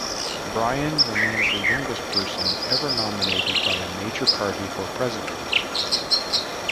Bryan remains the youngest person ever nominated by a major party for president.